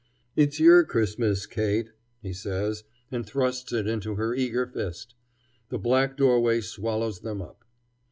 "It's yer Chris'mas, Kate," he says, and thrusts it into her eager fist. The black doorway swallows them up.